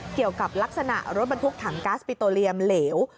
เกี่ยวกับลักษณะรถบรรทุกถังก๊าซปิโตเรียมเหลว